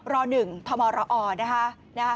ร๑ทมรอนะคะ